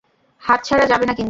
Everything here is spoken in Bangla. হাত ছাড়া যাবে না কিন্তু।